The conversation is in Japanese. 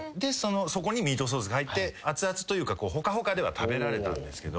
そこにミートソースが入って熱々というかホカホカでは食べられたんですけど。